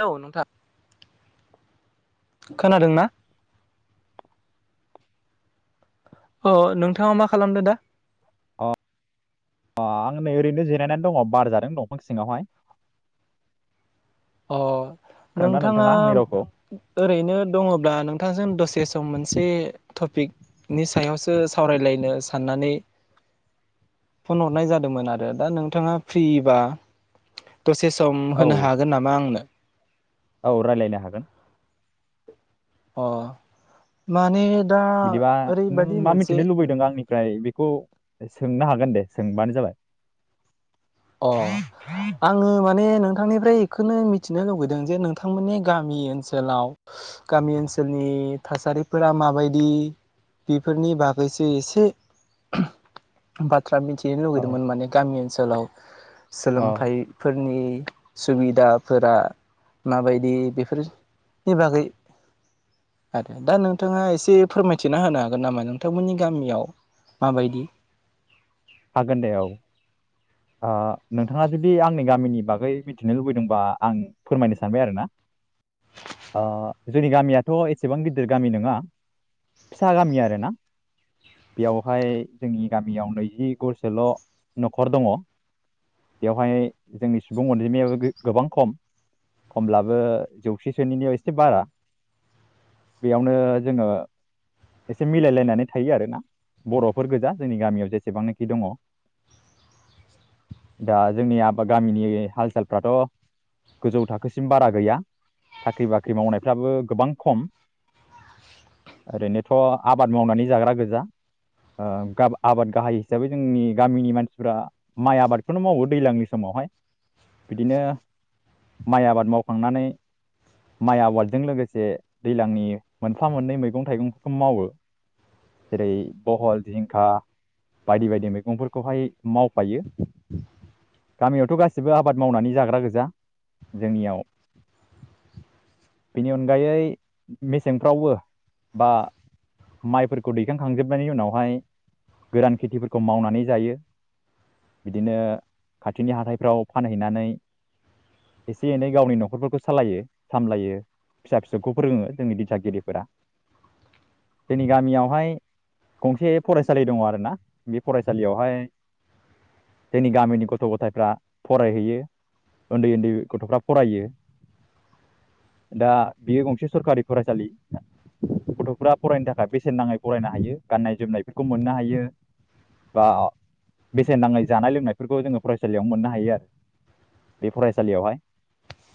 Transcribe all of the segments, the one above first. लौ नोंथां खोनादों ना? अ नोंथाङा मा खालामदो दा? अ अ आं नै ओरैनो जिरायनानै दङ बार जादों दंफां सिङावहाय अ खोनादोंना नोंथाङा आंनि रावखौ ओरैनो दङब्ला नोंथांजों दसे सम मोन से टपिकनि सायावसो सावरायलायनो साननानै फन हरनाय जादोंमोन आरो दा नोंथाङा फ्रिबा दसे सम औ होनो हाग नामा आंनो औ रायज्लायनो हागोन अ माने दा बिदिबा नों ओरैबायदि मा मोनसे मिथिनो लुबैदों आंनिफ्राय बेखौ सोंनो हागोन गोन दे सोंबानो जाबाय अ आङो माने नोंथांनिफ्राय एखोनो मिथिनो लुबैदों जे नोंथांमोननि गामि ओनसोलाव गामि ओनसोलनि थासारिफोरा माबायदि बेफोरनि बागैसो एसे [unintelligible] बा ख्रा मिथिनो औ लुगैदोंमोन माने गामि ओनसोलाव औ सोलोंथाइफोरनि सुबिदाफोरा माबायदि बेफोरनि बागै आरो दा नोंथाङा एसे फोरमायथिना होनो हागोन नामा नोंथांमोननि गामियाव माबायदि हागोन दे औ ओ नोंथाङा जुदि आंनि गामिनि बागै मिथिनो लुबैदोंबा आं फोरमायनो सानबाय आरोना ओ जोंनि गामियाथ एसेबां गिदिर गामि नोङा फिसा गामि आरोना बेयावहाय जोंनि गामियाव नैजि गरसोल नखर दङ बेवहाय जोंनि सुबुं अनजिमायाबो गो गोबां खम खमब्लाबो जौसेसोनिनो एसे बारा बेयावनो जोङो एसे मिलायलायनानै थायो आरोना बरफोर गोजा जोंनि गामियाव जेसेबांनाखि दङ दा जोंनि आबाद गामिनि हाल सालफ्राथ गोजौ थाखोसिम बारा गैया साख्रि बाख्रि मावनायफ्राबो गोबां खम ओरैनोथ आबाद मावनानै जाग्रा गोजा ओ गा आबाद गाहाय हिसाबै जोंनि गामिनि मानसिफ्रा माइ आबादखौनो मावो दैज्लांनि समावहाय बिदिनो माइ आबाद मावखांनानै माइ आबादजों लोगोसे दैज्लांनि मोनफा मोननै मैगं थाइगंफोरखौ मावो जेरै बहल जिंखा बायदि बायदि मैगंफोरखौहाय मावो थायो गामियावथ गासिबो आबाद मावनानै जाग्रा गोजा जोंनियाव बेनि अनगायै मेसेंफ्रावबो बा माइफोरखौ दैखांखांजोबनायनि उनावहाय गोरान खेथिफोरखौ मावनानै जायो बिदिनो खाथिनि हाथायफ्राव फानहैनानै एसे एनै गावनि नखरफोरखौ सालायो सामलायो फिसा फिसौखौ फोरोङो जोंनि दिथागिरिफोरा जोंनि गामियावहाय गंसे फरायसालि दङ आरोना बे फरायसालियावहाय जोंनि गामिनि गथ गथायफ्रा फरायहैयो उन्दै उन्दै गथफ्रा फरायो दा बेयो गंसे सरखारि फरायसालि फुरा फरायनो थाखाय बेसेन नाङै फरायनो हायो गाननाय जोमनायफोरखौ मोननो हायो बा बेसेन नाङै जानाय लोंनायफोरखौ जोङो फरायसालियाव मोननो हायो आरो बे फरायसालियावहाय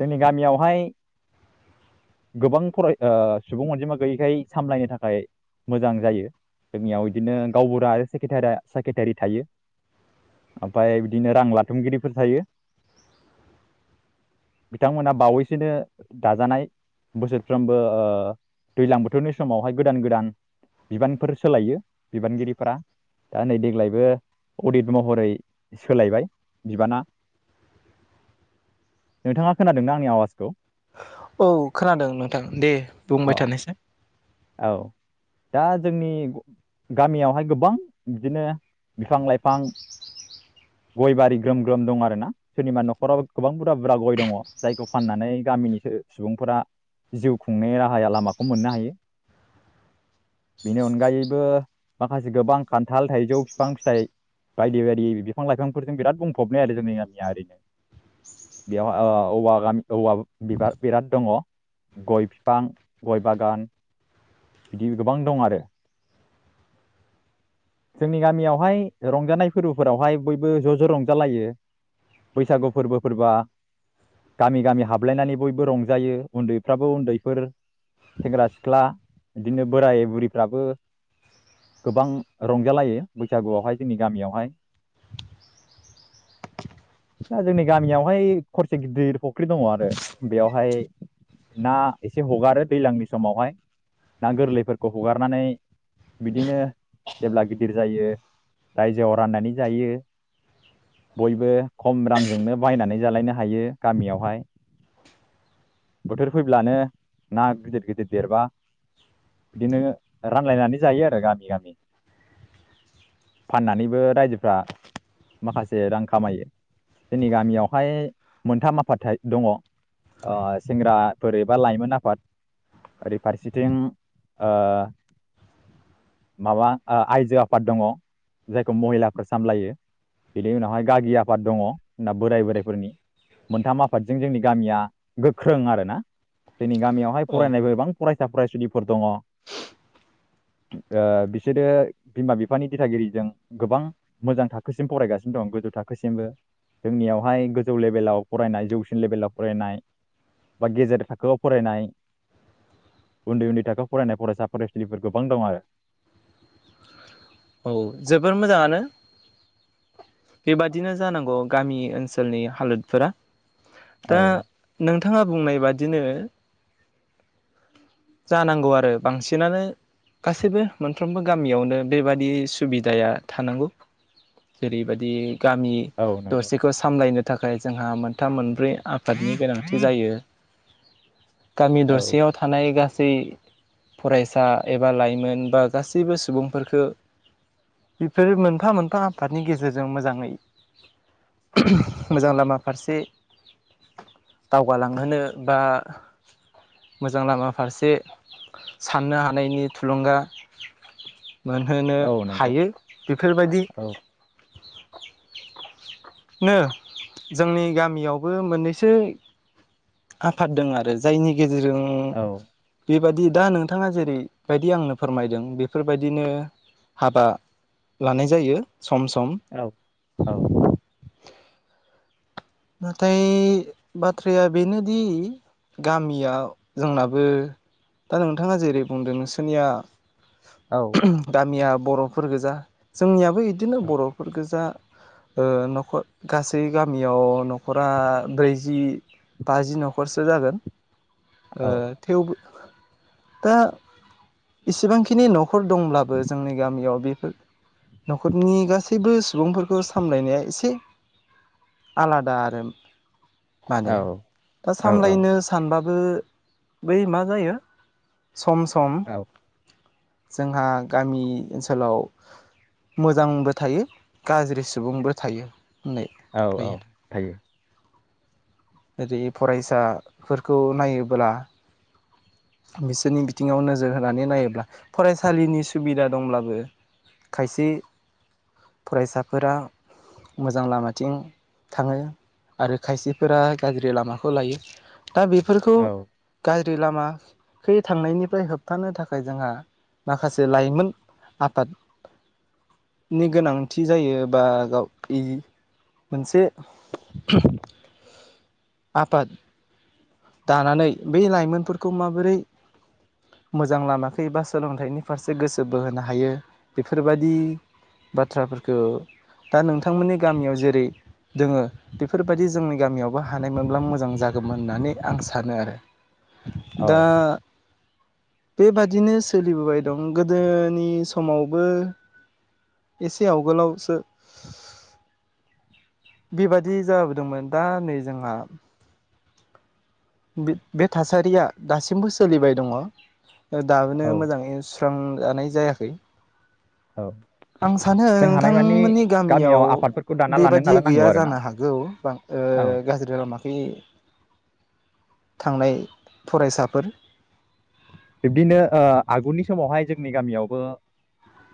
जोंनि गामियावहाय गोबां फराय ओ सुबुं अनजिमा गैयैखाय सामलायनो थाखाय मोजां जायो जोंनियाव बिदिनो गावबुरा आरो सेक्रेटारा सेक्रेटारि थायो ओमफ्राय बिदिनो रां लाथुमगिरिफोर थायो बिथांमोना बावैसोनो दाजानाय बोसोरफ्रोमबो ओ दैज्लां बोथोरनि समावहाय गोदान गोदान बिबानफोर सोलायो बिबानगिरिफोरा दा नै देग्लायबो अडित महरै सोलायबाय बिबाना नोंथाङा खोनादोंना आंनि आवाजखौ औ खोनादों नोंथां दे अ बुंबाय थानायसाय औ दा जोंनि गामियावहाय गोबां बिदिनो बिफां लाइफां गय बारि ग्रोम ग्रोम दं आरोना सोरनिबा नखराव गोबां बुरा बुरजा गय दङ जायखौ फाननानै गामिनि सुबुंफोरा जिउ खुंनाय राहाया लामाखौ मोननो हायो बेनि अनगायैबो माखासे गोबां खान्थाल थाइजौ बिफां फिथाइ बायदि बायदि बिफां लाइफांफोरजों बिराद बुंफबनाय आरो जोंनि गामिया ओरैनो बेयाव ओ औवा औवागान औवा बिबार बिराद दङ गय बिफां गय बागान बिदि गोबां दं आरो जोंनि गामियावहाय रंजानाय फोरबो फोरावहाय बयबो ज ज रंजालायो बैसागु फोरबोफोरबा गामि गामि हाबलायनानै बयबो रंजायो उन्दैफ्राबो उन्दैफोर सेंग्रा सिख्ला बिदिनो बोराय बुरिफ्राबो गोबां रंजालायो बैसागुआवहाय जोंनि गामियावहाय दा जोंनि गामियावहाय खरसे गिदिर फुख्रि दङ आरो बेयावहाय ना एसे हगारो दैज्लांनि समावहाय ना गोरलैफोरखौ हगारनानै बिदिनो जेब्ला गिदिर जायो रायजोआव राननानै जायो बयबो खम रांजोंनो बायनानै जालायनो हायो गामियावहाय बोथोर फैब्लानो ना गिदिर गिदिर देरबा बिदिनो रानलायनानै जायो आरो गामि गामि फाननानैबो रायजोफ्रा माखासे रां खामायो जोंनि गामियावहाय मोनथाम आफाद थाइ दङ सेंग्राफोर एबा लाइमोन आफाद ओरै फारसेथिं ओ माबा ओ आइजो आफाद दङ जायखौ महिलाफोर सामलायो बिनि उनावहाय गागि आफाद दङ नाबोराय बोराइफोरनि मोनथाम आफादजों जोंनि गामिया गोख्रों आरोना जोंनि गामियावहाय औ फरायनायबो बिबां फरायसा फरायसुलिफोर दङ ओ बिसोरो बिमा बिफानि दिथागिरिजों गोबां मोजां थाखोसिम फरायगासिनो दं गोजौ थाखोसिमबो जोंनियावहाय गोजौ लेभेलाव फरायनाय जौसिन लेभेलाव फरायनाय बा गेजेर थाखोआव फरायनाय उन्दै उन्दै थाखोआव फरायनाय फरायसा फरायसुलिफोर गोबां दं आरो औ जोबोर मोजाङानो बेबादिनो जानांगौ गामि ओनसोलनि हालोदफोरा औ दा नों नोंथाङा बुंनाय बादिनो जानांगौ आरो बांसिनानो गासैबो मोनफ्रोमबो गामियावनो बेबादि सुबिदाया थानांगौ जेरैबायदि गामि औ नंगौ दरसेखौ सामलायनो थाखाय जोंहा मोनथाम मोन ब्रै आफादनि गोनांथि जायो गामि औ दरसेयाव थानाय गा गासै फरायसा एबा लाइमोन बा गासैबो सुबुंफोरफोरखौ बेफोर मोनफा मोनफा आफादनि गेजेरजों मोजाङै मोजां लामा फारसे दावगालांहोनो बा मोजां लामा फारसे साननो हानायनि थुलुंगा मोनहोनो औ नंगौ हायो बेफोरबायदि औ नो जोंनि गामियावबो मोननैसो आफाद दं आरो जायनि गेजेरजों औ बेबायदि दा नोंथाङा जेरैबायदि आंनो फोरमायदों बेफोरबायदिनो हाबा लानाय जायो सम सम औ औ नाथाय बाथ्राया बेनोदि गामिया जोंनाबो दा नोंथाङा जेरै बुंदों नोंसोरनिया औ गामिया बर'फोर गोजा जोंनियाब बो इदिनो बरफोर गोजा ओ नखर गासै गामियाव नखरा ब्रैजि बाजि नखरसो जागोन ओ औ थेवबो दा इसिबांखिनि नखर दंब्लाबो जोंनि गामियाव बेफोर नखरनि गासैबो सुबुंफोरखौ सामलायनाया एसे आलाद दारोम माने दा औ सामलायनो सानबा बो बै मा जायो सम सम जोंहा गामि ओनसोलाव मोजांबो थायो गाज्रि सुबुंबो थायो होननाय औ जायो औ थायो ओरै फरायसाफोरखौ नायोब्ला बिसोरनि बिथिङाव नोजोर होनानै नायोब्ला फरायसालिनि सुबिदा दंब्लाबो खायसे फरायसाफोरा मोजां लामाथिं थाङो आरो खायसेफोरा गाज्रि लामाखौ लायो दा बेफोरखौ औ गा ज्रि लामा खै थांनायनिफ्राय होबथानो थाखाय जोंहा माखासे लाइमोन आफाद नि गोनांथि जायो बा गाव मोनसे आफाद दानानै बै लाइमोनफोरखौ माबोरै मोजां लामाखै बा सोलोंथाइनि फारसे गोसो बोहोनो हायो बेफोरबायाददि बाथ्राफोरखौ दा नोंथांमोननि गामियाव जेरै दोङो बेफोरबायदि जोंनि गामियावबो हानायमोनब्ला मोजां जागौमोन होननानै आं सानो आरो दा औ बेबादिनो सोलिबोबाय दं गोदोनि समावबो एसे आवगोलावसो बेबादि जाबोदोंमोन दा नै जोंहा बे थासारिया दासिमबो सोलिबाय दङ दाबोनो औ मोजाङै सुस्रां जानाय जायाखै औ आं सानो जों हानायमानि नोंथांमोननि गामियाव आफादफोरखौ दाना लानो बेबादि नाजानांगौ गैया आरो ना जानो हागौ गाज्रि लामाखै थांनाय फरायसाफोर बिब्दिनो आगुनि समावहाय जोंनि गामियावबो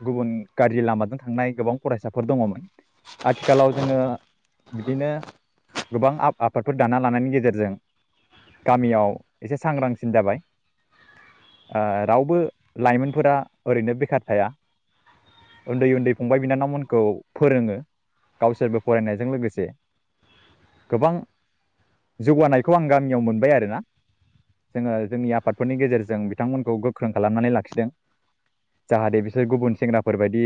गुबुन गाज्रि लामाजों थांनाय गोबां फरायसाफोर दङमोन आथिखालाव जोङो बिदिनो गोबां आफादफोर दाना लानायनि गेजेरजों गामियाव एसे सांग्रांसिन जाबाय। ओ रावबो लाइमोनफोरा ओरैनो बेखार थाया उन्दै उन्दै फंबाय बिनानावमोनखौ फोरोङो गावसोरबो फरायनायजों लोगोसे गोबां जौगानायखौ आं गामियाव मोनबाय आरोना जोङो जोंनि आफादफोरनि गेजेरजों जों बिथांमोनखौ गोख्रों खालामनानै लाखिदों जाहाथे बिसोर गुबुन सेंग्राफोरबायदि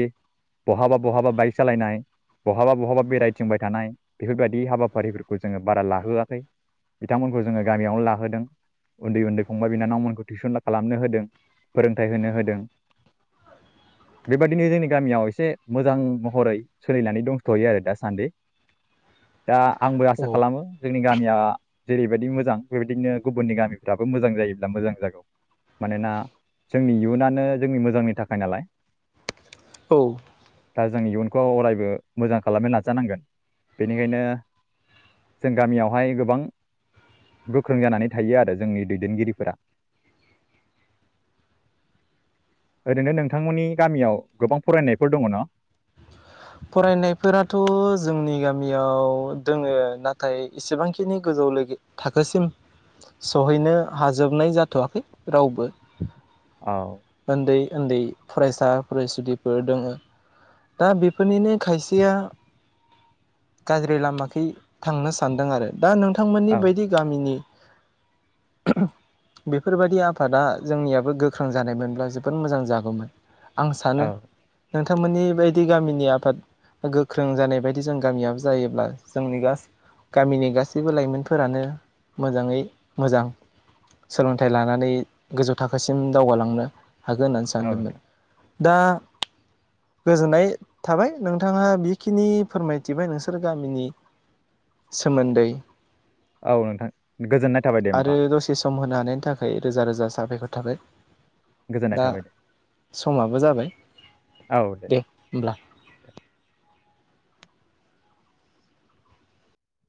बहाबा बहाबा बाइक सालायनाय बहाबा बहाबा बेरायथिंबाय थानाय बेफोरबायदि हाबाफारिफोरखौ जोङो बारा लाहोआखै बिथांमोनखौ जोङो गामियावनो लाहोदों उन्दै उन्दै फंबाय बिनानावमोन टिउसन खालामनो होदों फोरोंथाइ होनो होदों बेबादिनो जोंनि गामियाव एसे मोजां महरै सोलिनानै दंथहैयो आरो दासान्दि दा आंबो आसा औ खालामो जोंनि गामिया जेरैबायदि मोजां बेबायदिनो गुबुननि गामिफ्राबो मोजां जायोब्ला मोजां जागौ मानोना जोंनि इयुनानो जोंनि मोजांनि थाखाय नालाय औ दा जों इयुनखौ अरायबो मोजां खालामनो लाजानांगोन बेनिखायनो जों गामियावहाय गोबां गोख्रों जानानै थायो आरो जोंनि दैदेनगिरिफोरा [inaudible] ओरैनो नोंथांमोननि गामियाव गोबां फरायनायफोर दङ न? फरायनायफोराथ जोंनि गामियाव दोङो नाथाय इसेबांखिनि गोजौ थाखोसिम सहैनो हाजोबनाय जाथवाखै रावबो [inaudible] उन्दै उन्दै फरायसा फरायसुलिफोर दोङो दा बेफोरनिनो खायसेया गाज्रि लामाखै थांनो सानदों आरो दा औ नोंथांमोननि बायदि गामिनि बेफोरबायदि आफादा जोंनियाबो गोख्रों जानायमोन अब्ला जोबोद मोजां जागौमोन आं सानो औ नोंथांमोननि बायदि गामिनि आफाद गोख्रों जानाय बायदि जों गामियाब जायोब्ला जोंनि गासि गामिनि गासिबो लाइमोनफोरानो मोजाङै मोजां सोलोंथाइ लानानै गोजौ थाखोसिम दावगालांनो हागोन होननानै औ सानदोंमोन नोंथां दा गोजोननाय थाबाय नोंथाङा बेखिनि फोरमायथिबाय नोंसोर गामिनि सोमोन्दै औ नोंथां गोजोननाय थाबाय दे होमबा। नेनो हानायनि थाखाय रोजा रोजा साबफायखर थाबाय। गोजोननाय दा थाबाय दे समाबो जाबाय दे होनोमब्ला